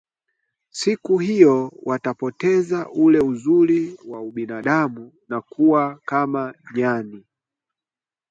siku hiyo watapoteza ule uzuri wa ubinadamu na kuwa kama nyani